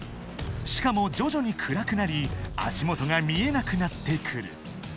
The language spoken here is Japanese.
［しかも徐々に暗くなり足元が見えなくなってくる］